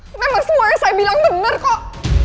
memang semua yang saya bilang bener kok